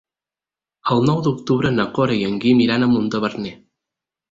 El nou d'octubre na Cora i en Guim iran a Montaverner.